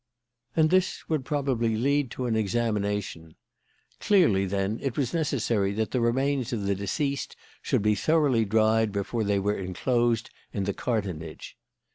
And this would probably lead to an examination. Clearly, then, it was necessary that the remains of the deceased should be thoroughly dried before they were enclosed in the cartonnage.